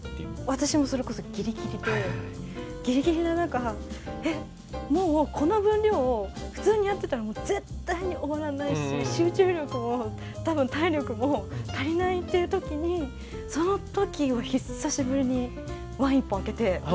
私もそれこそギリギリでギリギリな中えっもうこの分量を普通にやってたら絶対に終わらないし集中力も多分体力も足りないという時にその時は久しぶりにワイン１本開けて